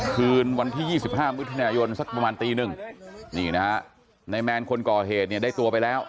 คืนวันที่๒๕มิถุนายนสักประมาณตีหนึ่งนี่นะฮะในแมนคนก่อเหตุเนี่ยได้ตัวไปแล้ว